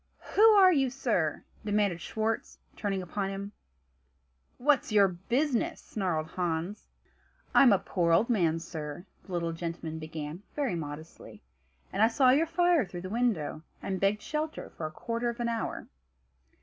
"Who are you, sir?" demanded Schwartz, turning upon him. "What's your business?" snarled Hans. "I'm a poor old man, sir," the little gentleman began very modestly, "and I saw your fire through the window, and begged shelter for a quarter of an hour."